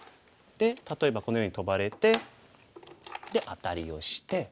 例えばこのようにトバれてでアタリをして。